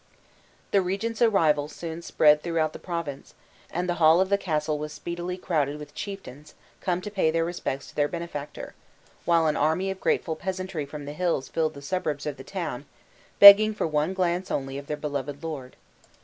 The regent's arrival soon spread throughout the province, and the hall of the castle was speedily crowded with chieftains, come to pay their respects to their benefactor; while an army of grateful peasantry from the hills filled the suburbs of the town, begging for one glance only of their beloved lord.